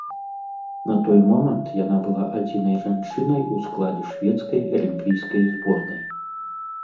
На той момант яна была адзінай жанчынай у складзе шведскай алімпійскай зборнай.